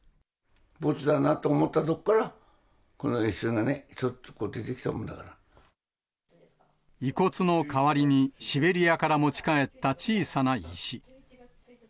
墓地だなと思った所から、この石がね、遺骨の代わりにシベリアから持ち帰った小さな石。